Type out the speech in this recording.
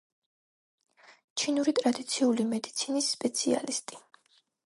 ჩინური ტრადიციული მედიცინის სპეციალისტი.